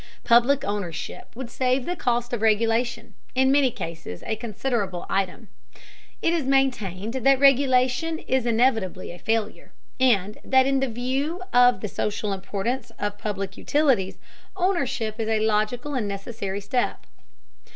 Public ownership would save the cost of regulation, in many cases a considerable item. It is maintained that regulation is inevitably a failure, and that in view of the social importance of public utilities, ownership is a logical and necessary step.